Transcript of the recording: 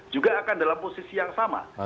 juga akan dalam posisi yang sama